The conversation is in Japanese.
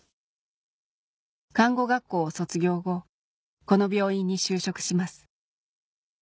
看護学校を卒業後この病院に就職します